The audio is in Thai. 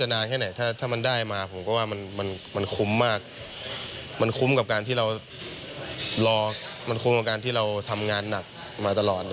รอมันควรกับการที่เราทำงานหนักมาตลอด